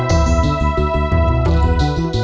sama aja sih